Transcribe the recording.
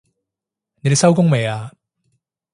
你哋收工未啊？